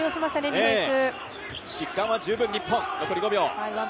ディフェンス。